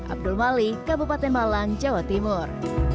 abdul malik kabupaten malang jawa timur